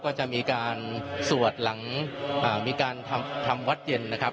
ก็จะมีการสวดหลังมีการทำวัดเย็นนะครับ